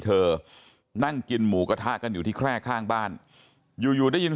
เธอนั่งกินหมูกระทะกันอยู่ที่แคร่ข้างบ้านอยู่อยู่ได้ยิน